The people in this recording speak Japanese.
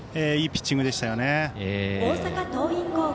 いいピッチングでしたよね。